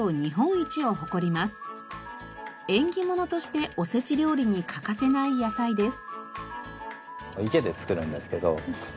縁起物としておせち料理に欠かせない野菜です。